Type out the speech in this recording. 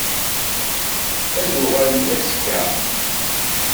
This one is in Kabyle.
Ad d-uɣalen azekka?